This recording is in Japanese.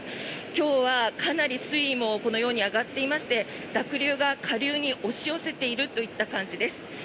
今日はかなり水位もこのように上がっていまして濁流が下流に押し寄せている感じです。